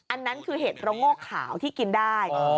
อันนั้นคือเห็ดระโงกขาวที่กินได้